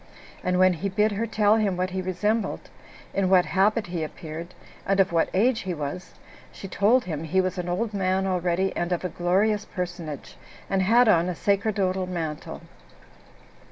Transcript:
And when he bid her tell him what he resembled, in what habit he appeared, and of what age he was, she told him he was an old man already, and of a glorious personage, and had on a sacerdotal mantle.